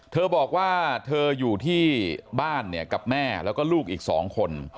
เธอบอกว่าเธออยู่ที่บ้านเนี่ยกับแม่แล้วก็ลูกอีก๒คน